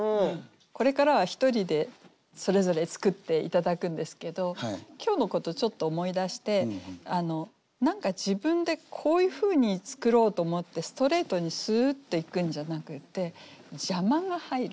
これからは１人でそれぞれ作って頂くんですけど今日のことちょっと思い出して何か自分でこういうふうに作ろうと思ってストレートにすっといくんじゃなくって邪魔が入る。